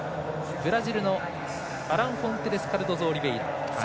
さらにブラジルのアランフォンテレスカルドゾ・オリベイラ。